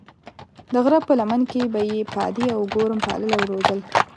د غره په لمن کې به یې پادې او ګورم پالل او روزل.